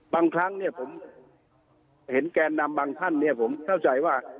บางครั้งเนี่ยผมเห็นแกนนำบางท่านเนี่ยผมเข้าใจว่า